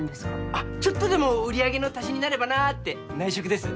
あっちょっとでも売り上げの足しになればなって内職です